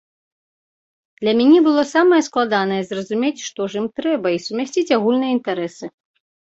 Для мяне было самае складанае зразумець, што ж ім трэба, і сумясціць агульныя інтарэсы.